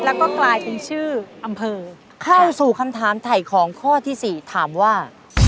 แล้วก็กลายเป็นชื่ออำเภอเข้าสู่คำถามถ่ายของข้อที่สี่ถามว่า